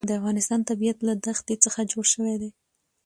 د افغانستان طبیعت له دښتې څخه جوړ شوی دی.